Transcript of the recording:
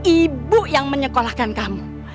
ibu yang menyekolahkan kamu